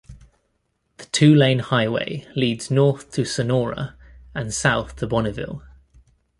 The two-lane highway leads north to Sonora and south to Bonnieville.